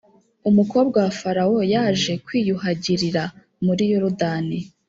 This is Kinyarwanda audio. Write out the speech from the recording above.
umukobwa wa farawo yaje kwiyuhagirira muri yorudani